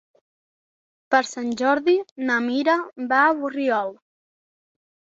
Per Sant Jordi na Mira va a Borriol.